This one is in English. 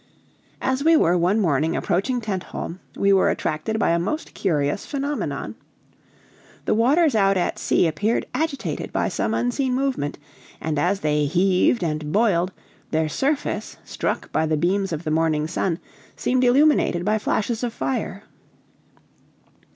As we were one morning approaching Tentholm, we were attracted by a most curious phenomenon. The waters out at sea appeared agitated by some unseen movement, and as they heaved and boiled, their surface, struck by the beams of the morning sun, seemed illuminated by flashes of fire.